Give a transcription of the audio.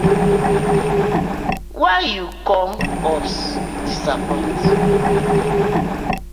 Wai you come us disappoint?